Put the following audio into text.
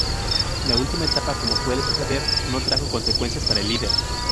La última etapa como suele suceder, no trajo consecuencias para el líder.